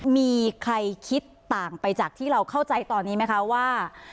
มีใครคิดต่างไปจากที่เราเข้าใจตอนนี้ไหมคะว่า